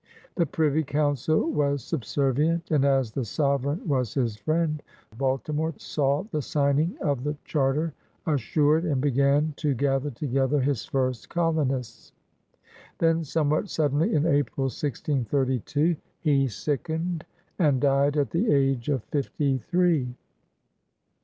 The Privy Council was subservient, and, as the Sovereign was his friend, Baltimore saw the signing of the 124 PIONEERS OF THE OLD SOUTH charter assured and b^gan to gather together his first colonists Then, somewhat suddenly, in April, 1632, he sickened, and died at the age of fifty three.